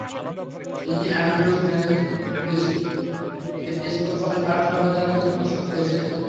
তিনি Andrews Methodist Episcopal church সম্প্রদায়ের মধ্যে খুব সক্রিয় ছিলেন।